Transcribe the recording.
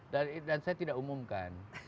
dan saya tidak umumkan